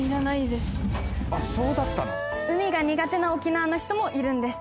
「海が苦手な沖縄の人もいるんです」